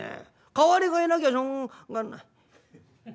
代わりがいなきゃしょうがない。